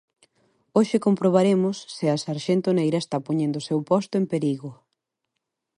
Hoxe comprobaremos se a sarxento Neira está poñendo o seu posto en perigo.